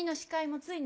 ついに！